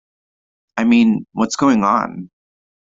I mean 'what's going on?